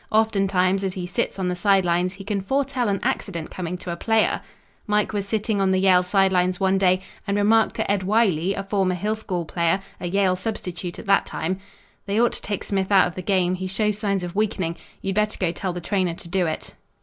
Oftentimes as he sits on the side lines he can foretell an accident coming to a player. Mike was sitting on the Yale side lines one day, and remarked to Ed Wylie, a former Hill School player a Yale substitute at that time: "They ought to take Smith out of the game; he shows signs of weakening. You'd better go tell the trainer to do it."